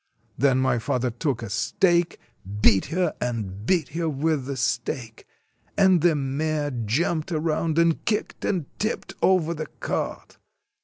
Then my father took a stake, beat her and beat her with the stake. And the mare jumped around, and kicked and tipped over the cart.